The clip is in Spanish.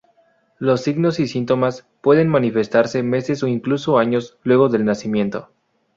Los signos y síntomas pueden manifestarse meses o incluso años luego del nacimiento.